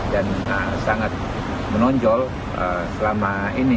dan sangat menonjol selama ini